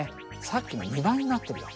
さっきの２倍になってるよ。